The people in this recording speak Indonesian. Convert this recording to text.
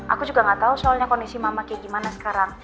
aku juga gak tau soalnya kondisi mama kayak gimana sekarang